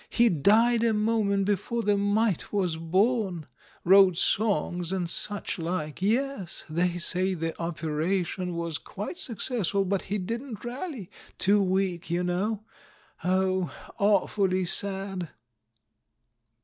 He died a moment before the mite was born. Wrote songs and such like. Yes, they say the operation w^as quite suc cessful, but he didn't rally — too weak, you know. Oh, awfully sad!"